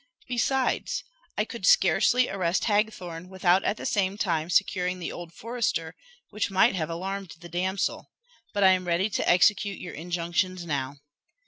"Besides, I could scarcely arrest Hagthorne without at the same time securing the old forester, which might have alarmed the damsel. But I am ready to execute your injunctions now."